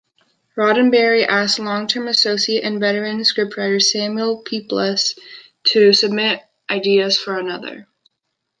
Roddenberry asked long-time associate and veteran scriptwriter Samuel Peeples to submit ideas for another.